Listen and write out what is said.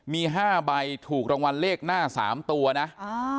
มีห้าใบถูกรางวัลเลขหน้าสามตัวนะอ่า